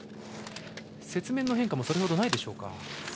雪面の変化もそれほどないでしょうか。